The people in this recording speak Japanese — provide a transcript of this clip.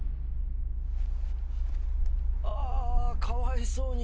あかわいそうに。